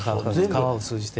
川を通じて。